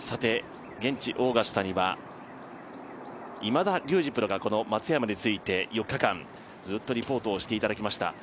現地オーガスタには今田竜二プロが松山について４日間ずっとリポートをしていただきました。